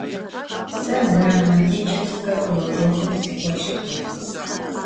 Se dramatiçêske krujjokım sık'oştığe.